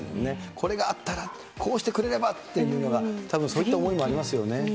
これがあったら、こうしてくれればっていうのが、たぶん、そういった思いもありますよね。